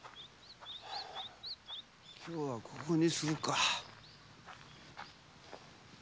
今日はここにするか。